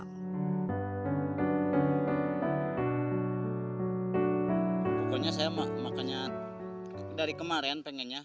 pokoknya saya makanya dari kemarin pengennya